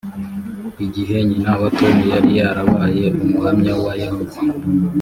igihe nyina wa tom yari yarabaye umuhamya wa yehova